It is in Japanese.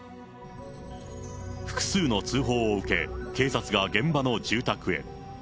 複数の通報を受け、警察が現場の住宅へ。